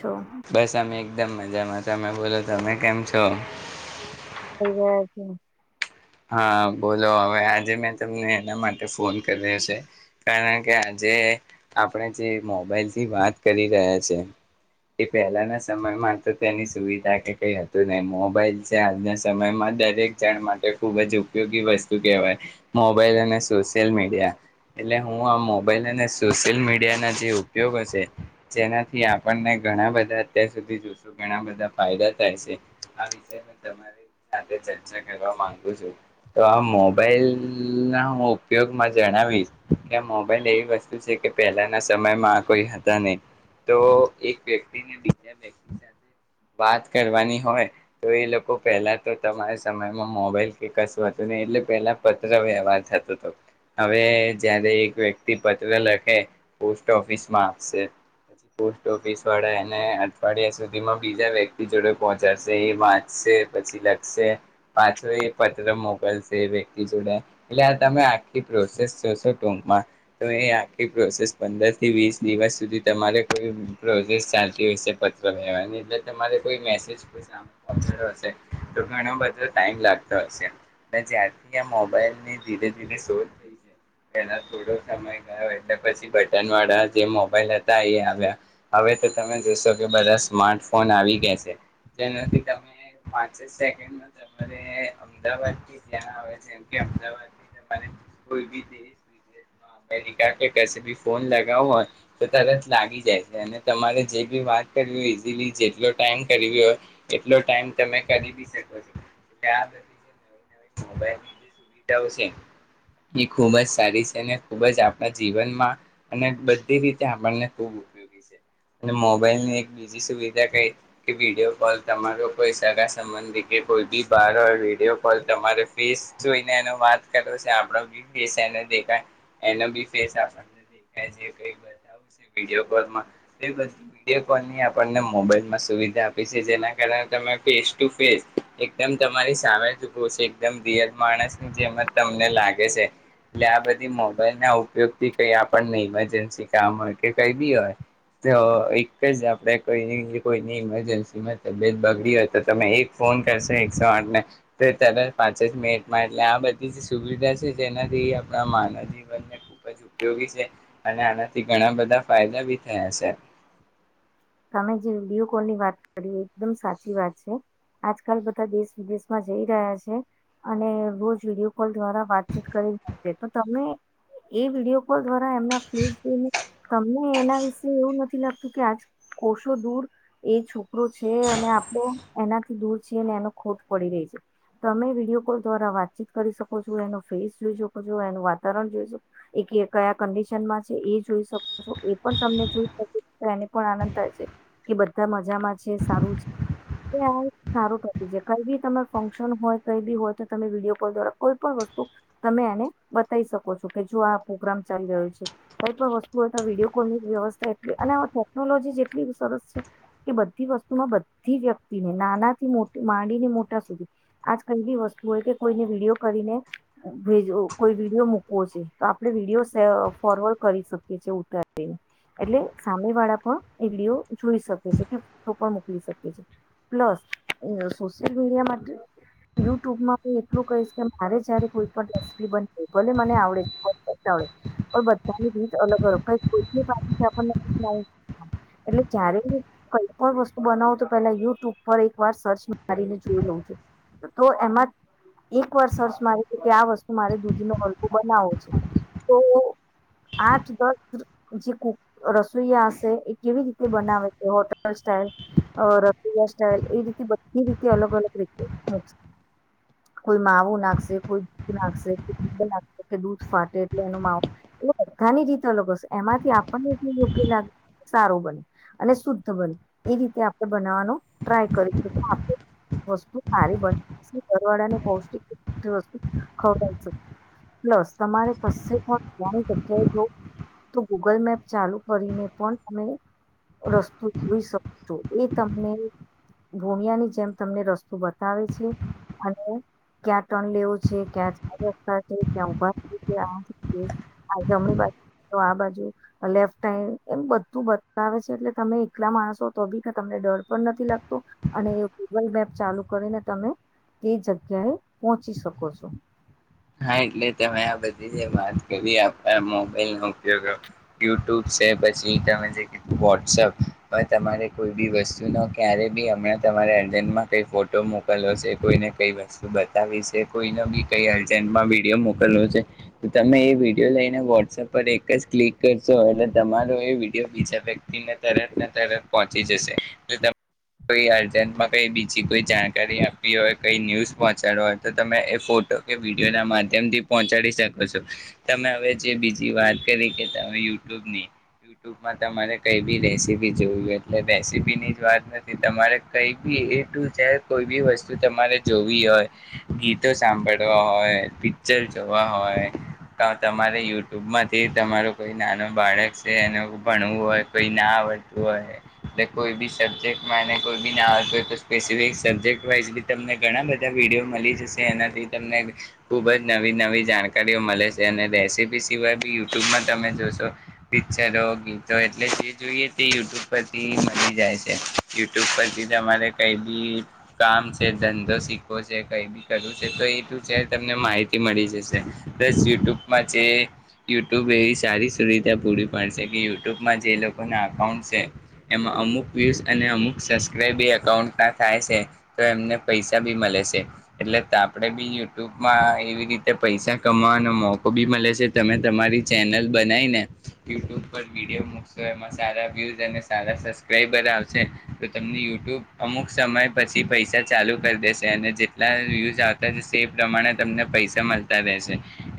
છો? બસ આમ એક એકદમ મજામાં. તમે બોલો તમે કેમ છો [inaudible] [inaudible] હા બોલો હવે આજે મેં તમને એના માટે ફોન કર્યો છે કારણ કે આજે આપણે જે મોબાઈલ થી વાત કરી રહ્યા છે એ પહેલાના સમયમાં તો તેની સુવિધા કે કઈ હતું નઈ મોબાઈલ છે આજના સમયમાં દરેક જણ માટે ખૂબ જ ઉપયોગી વસ્તુ કહેવાય. મોબાઈલ અને સોશિયલ મીડિયા એટલે હું આ મોબાઈલ અને સોશિયલ મીડિયા ના જે ઉપયોગો સે જેનાથી આપણને ઘણા બધા અત્યાર સુધી જોશું ઘણા બધા ફાયદા થાય સે આ વિષય પર તમારી સાથે ચર્ચા કરવા માંગુ છું. તો આ મોબાઈલ ના હું ઉપયોગમાં જણાવીશ કે આ મોબાઈલ એવી વસ્તુ છે કે પહેલાના સમયમાં આ કોઈ હતા નહી તો એક વ્યક્તિને બીજા વ્યક્તિ સાથે વાત કરવાની હોય તો એ લોકો પહેલા તો તમારા સમયમાં મોબાઈલ કે કસુ હતું નઈ એટલે પેલા પત્ર વ્યવહાર થતો હતો હવે જયારે એક વ્યક્તિ પત્ર લખે પોસ્ટ ઓફિસમાં આપશે પછી પોસ્ટ ઓફિસ વાળા એને અઠવાડિયા સુધીમાં બીજા વ્યક્તિ જોડે પહોંચાડશે એ વાંચશે પછી લખશે પાછો એ પત્ર મોકલશે એ વ્યક્તિ જોડે એટલે આ તમે આખી પ્રોસેસ જોશો ટૂંકમાં તો એ આખી પ્રોસેસ પંદરથી વીસ દિવસ સુધી તમારે કોઈ પ્રોસેસ ચાલતી હોયશે પત્ર લહેરવાની એટલે તમારે કોઈ મેસેજ કો સા્યો હશે તો ઘણો બધો ટાઈમ લાગશે. જ્યારથી આ મોબાઈલની ધીરે ધીરે શોધ થઈ છે પહેલા થોડો સમય ગયો એટલે પછી બટનવાળા જે મોબાઈલ હતા એ આવ્યા હવે તો તમે જોશો કે બધા સ્માર્ટ ફોન આવી ગયા છે જેનાથી તમે પાંચ સેકન્ડમાં તમારે અમદાવાદથી જ્યાં આવે જેમ કે અમદાવાદથી તમારે કોઈ બી દેશ વિદેશમાં અમેરિકા કે કશે બી ફોન લગાવવો હોય તો તરત લાગી જાય છે અને તમારે જે બી વાત કરવી હો ઇઝીલી જેટલો ટાઈમ કરવી હોય એટલો ટાઈમ તમે કરી બી શકો છો એટલે આ. મોબાઈલની સુવિધાઓ છે એ ખુબ જ સારી છે અને ખુબ જ આપણા જીવનમાં અને બધી રીતે આપણને ખૂબ ઉપયોગી છે અને મોબાઈલની એક બીજી સુવિધા કઈ કે વિડીયો કોલ તમારો કોઈ સગા સંબંધી કે કોઈ બી બાર હોય વિડીયો કોલ તમારે ફેસ જોઈને એનો વાત કરો છે આપણો બી ફેસ એ દેખાય એનો બી ફેસ આપણને દેખાય છે કઈક બતાવ વિડીયો કોલમાં વિડીયો કોલની આપણને મોબાઈલમાં સુવિધા આપી છે જેના કારણે તમે ફેસ ટુ ફેસ એકદમ તમારી સામે એકદમ રિયલ માણસ જેમ જ તમને લાગે છે એટલે આ બધી મોબાઈલ ના ઉપયોગથી કઈ આપણને ઈમરજન્સી કામ હોય કે કઈ બી હોય તો એક જ આપણે કોઈ કોઈની ઈમરજન્સીમાં તબિયત બગડી હોય તો તમે એક ફોન કરશો એકસો આઠને તો ત્યારે પાંચે જ મેિનટમાં એટલે આ બધી જ સુવિધા છે જેનાથી આપણા માનવ જીવનને ખૂબ જ ઉપયોગી છે અને આનાથી ઘણા બધા ફાયદા બી થયા છે. તમે જે વિડીિયો કોલ ની વાત કરી એકદમ સાચી વાત છે આજકાલ બધા દેશ વિદેશમાં જઈ રહ્યા છે અને રોજ વિડીિયો કોલ દ્વારા વાતચીત કરી રહ્યા છે તો તમે એ વિડીયો કોલ દ્વારા એમના ફેસ જોઈને તમને એના વિશે એવું નથી લાગતું કે આજ કોષો દૂર એ છોકરો છે અને આપણો એનાથી દૂર છેને એનો ખોટ પડી રહી છે તમે વિડીયો કોલ દ્વારા વાતચીત કરી શકો છો એનો ફેસ જોઈ શકો છો એનું વાતાવરણ જોઈ શકો એ કયા કંડિશનમાં છે એ જોઈ શકો છો એ પણ તમને જોઈ શકે છે. પણ આનંદ થાય છે કે બધા મજામાં છે સારું છે એ આ સારું થતી છે કઈ બી તમેં ફંક્શન હોય કઈ બી હોય તો તમે વિડીિયો કોલ દ્વારા કોઈ પણ વસ્તુ તમે એને બતાવી શકો છો કે જો આ પ્રોગ્રામ ચાલી રહ્યો છે કોઈ પણ વસ્તુ હોય તો વિડીિયો કોલ ની વ્યવસ્થા એટલી અને ટેકનોલોજી જેટલી સરસ છે કે બધી વસ્તુમાં બધી વ્યક્તિને નાનાથી માંડીને મોટા સુધી આજ કઈ બી વસ્તુ હોય કે કોઈને વિડીિયો કરીને ભેજો કોઈ વિડીયો મૂકવો છે તો આપણે વિડીયો ફોરવર્ડ કરી શકીએ છેએ ઉતારીને એટલે સામે વાળા વિડીયો જોઈ શકે છે કે ફોટો પણ મોકલી શકે છે પ્લસ સોશિયલ મીડિયા માટે યુટ્યુબ માંબી એટલું કહીશ કે મારે જયારે કોઈ પણ રેસીપી બને ભલે મને આવડે છેેકે [unintelligible] પણ બધાની રીત અલગ [unintelligible] એટલે જયારે હું કઈ પણ વસ્તુ બનાવું તો પેલા યુટ્યુબ પર એક વાર સર્ચ મારીને જોઈ લઉં છું તો એમાં એક વાર સર્ચ મારી કે આ વસ્તુ મારે દૂધી નો હલવો બનાવો છે તો આઠ દસ જે કુ રસોઈયા એ કેવી રીતે બનાવે છે હોટલ સ્ટાઈલ રસોઈયા સ્ટાઈલ એ રીતે બધી રીતે અલગ અલગ રીતે કોઈ માવું નાખશે કોઈ દૂધ નાખશે નાખશે કે દૂધ ફાટે એટલે એનો માવું એ બધાની રીતે અલગ હશે એમાંથી આપણને એટલું યોગ્ય લાગે સારું બને અને શુદ્ધ બને એ રીતે આપણે બનાવવાનો ટ્રાય કરીશું તો આપ વસ્તુ સારી બરવાળાને પષ્ટિકસ્ ખ પ્લસ તમારે પણવાની જગ્યાએ તો ગૂગલ મેપ ચાલુ કરીને પણ તમે રસ્તો જોઈ શકો છો એ તમને ભોણિયાની જેમ તમને રસ્તો બતાવે છે અને ક્યાં ટર્ન લેવું છે ક્યાં ચાર રસ્તા છે ક્યાં ઉભા જમણી બા આ બાજુ લેફ્ટ ટાઈમ એમ તું બતાવે છે એટલે તમે એકલા માણસો તો બી કે તમને ડર પણ નથી લાગતો અને એ ગૂગલ મેપ ચાલુ કરીને તમે એ જગ્યાએ પોહોંચી શકો છો. હા એટલે તમે આ બધી જે વાત કરી આપ મોબાઈલનો ઉપયોગ યુટ્યુબ છે પછી તમે જે ક વોટસઅપ હવે તમારે કોઈ બી વસ્તુ ન ક્યારે બી હમણાં તમારે અરજનમાં કોઈ ફોટો મોકલવો છે કોઈને કઈ વસ્તુ બતાવી છે કોઈ બી કઈ અર્જન્ટમાં વિડીયો મોકલવો છે તો તમે એ વિડીયો લઈને વોટ્સએપ પર એક જ ક્લિક કરશો એટલે તમારો એ વિડીયો બીજા વ્યક્તિને તરતના તરત પહોંચી જશે એટલે ત કોઈ અર્જન્ટમાં કંઈ બીજી કોઈ જાણકારી આપવી હોય કંઈ ન્યૂઝ પહોંચાડ્યો હોય તો તમે એ ફોટો વિડીયોના માધ્યમથી પહોંચાડી શકો છો તમે હવે જે બીજી વાત કરી કે તમે યુટ્યુબની યુટ્યુબમાં તમારે કઈ બી રેસીપી જોવી હો એટલે રેસીપીની જ વાત નથી તમારે કઈ બી એટું ઝેડ કોઈ બી વસ્તુ તમારે જોવી હોય ગીતો સાંભળ જોવા હોય પિક્ચર જોવા હોય તો તમારે યુટ્યુબમાંથી તમારો કોઈ નાનો બાળક છે એને ભણવું હોય કોઈ ના આવડતું હોય એટલે કોઈ બી સબ્જેક્ટમાં એને કોઈ બી ના આવડતું હોય સ્પેસિફિક સબ્જેક્ટ વાઇઝ બી તમને ઘણા બધા વિડીયો મળી જશે એનાથી તમને ખૂબ જ નવી નવી જાણકારીઓ મળે છે અને રેસીપી સિવાય બી યુટ્યુબમાં તમે જોશો પિક્ચરો ગીતો એટલે જે જોઈએ તે યુટ્યુબ પરથી મળી જાય છે યુટ્યુબ પરથી તમારે કઈ બી કામ છે ધંધો શીખવો છે કઈ બી કરવું છે તો એ તમને માહિતી મળી જશે પ્લસ યુટ્યુબમાં જે યુટ્યુબ એવી સારી સુવિધા પૂરી પાડશે કે યુટ્યુબમાં જે લોકોના અકાઉન્ટ છે એમાં અમુક વ્યૂઝ અને અમુક સબસ્ક્રાઈબ એ અકાઉન્ટના થાય છે તો એમને પૈસા બી મળે છે એટલે તો આપણે બી યુ યુટ્યુબમાં એવી રીતે પૈસા કમાવાનો મોકો બી મળે છે તમે તમારી ચેનલ બનાવીને યુટ્યુબ પર વિડીયો મૂકશો એમાં સારા વ્યૂઝ અને સારા સબસ્ક્રાઈબર આવશે તો તમને યુટ્યુબ અમુક સમય પછી પૈસા ચાલુ કરી દેશે અને જેટલા વ્યૂઝ આવતા જશે તે પ્રમાણે તમને પૈસા મળતા રહેશે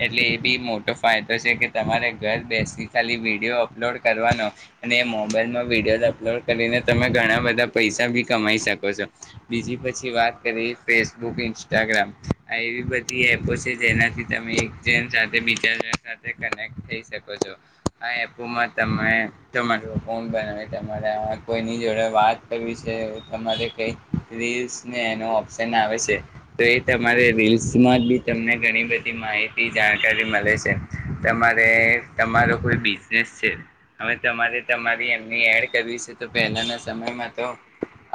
એટલે એ બી મોટો ફાયદો છે કે તમારે ઘર બેસી ખાલી વિડીયો અપલોડ કરવાનો અને એ મોબાઈલમાં વિડીયો અપલોડ કરીને તમે ઘણા બધા પૈસા બી કમાઈ શકો છો બીજી પછી વાત કરી ફેસબુક ઇન્સ્ટાગ્રામ આ એવી બધી એપો છે જેનાથી તમે એકજણ સાથે બીજા સાથે કનેક્ટ થઈ શકો છો આ એપોમાં તમે તમારું અકાઉન્ટ બનાવે તમારે કોઈની જોડે વાત કરવી છે તમારે કંઈક રીલ્સ ને એનો ઓપ્શન આવે છે તો એ તમારે રીલ્સમાં જ બી તમને ઘણી બધી માહિતી જાણકારી મળે છે તમારે તમારો કોઈ બિઝનેસ છે હવે તમારે તમારી એમની એડ કરવી છે તો પહેલાંના સમયમાં તો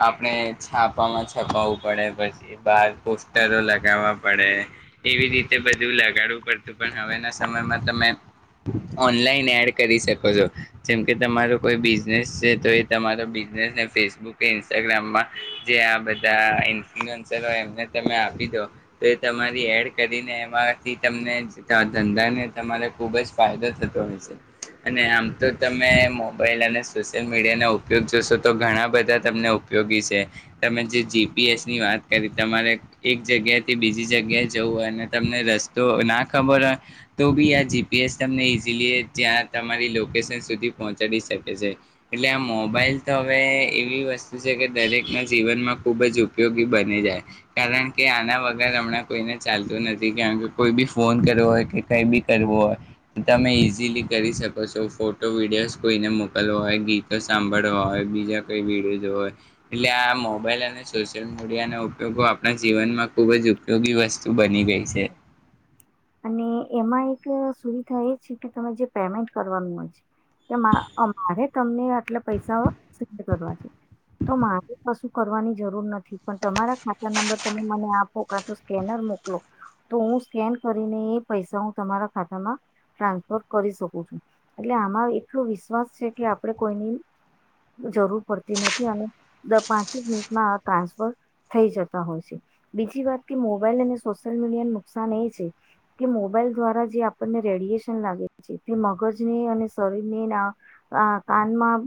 આપણે છાપમાં છપાવવું પડે પછી બહાર પોસ્ટરો લાગે લવા પડે એવી રીતે બધું લગાડવું પડતું પણ હવેના સમયમાં તમે ઓનલાઈન એડ કરી શકો છો જેમકે તમારો કોઈ બિઝનેસ છે તો એ તમારો બિઝનેસને ફેસબુક કે ઇન્સ્ટાગ્રામમાં જે આ બધા ઇન્ફ્લુઅન્સર હોય એમને તમે આપી દો તો એ તમારી એડ કરીને એમાંથી તમને ધંધાને તમારે ખુબ જ ફાયદો થતો હોયશે અને આમ તો તમે મોબાઈલ અને સોશિયલ મીડિયાનો ઉપયોગ જોશો તો ઘણા બધા તમને ઉપયોગી છે તમે જે જીપીએસની વાત કરી તમારે એક જગ્યાએ બીજી જગ્યાએ જવું હોય અને તમને રસ્તો ના ખબર હોય તો બી આ જીપીએસ તમને ઈઝીલી ત્યાં તમારી લોકેશન સુધી પહોંચાડી શકે છે એટલે આ મોબાઈલ તો હવે એવી વસ્તુ છે કે દરેકના જીવનમાં ખૂબ જ ઉપયોગી બની જાય કારણ કે આના હમણાં કોઈને ચાલતું નથી કારણ કે કોઈ બી ફોન કરવો હોય કે કંઈ બી કરવું હોય તમે ઇઝીલી કરી શકો છો ફોટો વિડીયોઝ કોઈને મોકલવો હોય ગીતો સાંભળવા હોય બીજા કોઈ વિડીયો જોવો હોય એટલે આ મોબાઈલ અને સોશિયલ મીડિયાના ઉપયોગો આપણા જીવનમાં ખૂબ જ ઉપયોગી વસ્તુ બની ગઈ છે. અને એમાં એક સુવિધા એ છે કે તમે જે પેમેન્ટ કરવાનું હોય છે એ મારે તમને આટલા પૈસા સેન્ડ કરવા છે તો મારે કશું કરવાની જરૂર નથી પણ તમારા ખાતા નંબર તમે મને આપો કાંતો સ્કેનર મોકલો તો હું સ્કેન કરીને એ પૈસા હું તમારા ખાતામાં ટ્રાન્સફર કરી શકું છું એટલે આમાં એટલો વિશ્વાસ છે કે આપણે કોઈની જરૂર પડતી નથી અને દ પાંચ મિનિટમાં આ ટ્રાન્સફર થઈ જતા હોય છે બીજી વાત કે મોબાઈલ અને સોશિયલ મીડિયા નુકસાન એ છે. કે મોબાઈલ દ્વારા જે આપણને રેડિએેશન લાગે છે તે મગજને અને શરીરને ના કાનમાં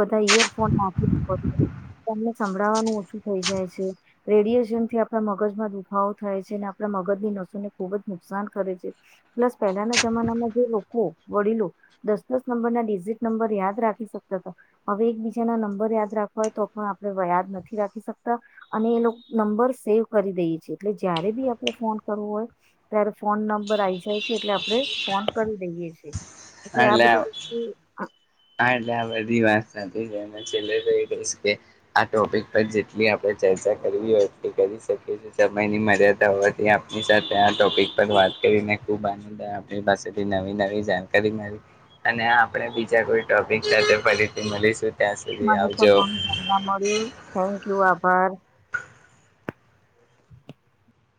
બધા ઈયરફોન નાખીને સંભળાવવાનું ઓછું થઈ જાય છે રેડિયેશનથી આપડા મગજમાં દુખાવો થાય છે અનેને આપણા મગજની નસોને ખુબ જ નુકસાન કરે છે પ્લસ પહેલાના જમાનામાં જે લોકો વડીલો દસ દસ નંબરના ડિઝિટ નંબર યાદ રાખી શકતા હતા હવે એકબીજાના નંબર યાદ રાખવા હોય તો પણ આપણે યાદ નથી રાખી શકતા અને એ લોકો નંબર સેવ કરી દઈએ છીએ એટલે જયારે બી આપણે ફોન કરવો હોય. ત્યારે ફોન નંબર આવીઈ જાય છે એટલે આપણે ફોન કરી દઈય છે. એટલે આ બધી વસ્તુ હ એટલે બધી વાત છેલ્લે તો રહીશ કે આ ટોપિક પર જેટલી આપણે ચર્ચા કરવી હોય એટલી કરી શકી સમયની મર્યાદા હોવાથી આપ સાથે આ ટોપીક પર વાત કરીને ખુબનંદ પાસેથી નવી નવી જાણકારી મળી અને આપણે બીજા કોઈ ટોપિક સાથે ફરીથી મલીશું મને તો બ જાનવા મળ્યું થેન્ક યુ આભાર. [unintelligible]